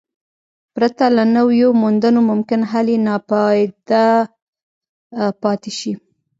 پرته له نویو موندنو ممکن حل یې ناپایده پاتې شي.